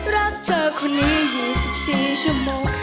รักเธอคนนี้๒๔ชั่วโมง